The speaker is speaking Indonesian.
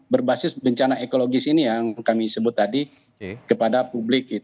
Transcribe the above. berbasis bencana ekologis ini yang kami sebut tadi kepada publik